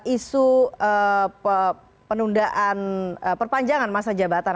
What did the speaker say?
isu penundaan perpanjangan masa jabatan